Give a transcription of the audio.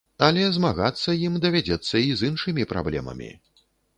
Але змагацца ім давядзецца і з іншымі праблемамі.